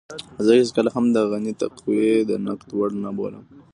زه هېڅکله هم د غني تقوی د نقد وړ نه بولم.